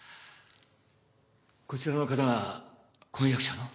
こちらの方が婚約者の？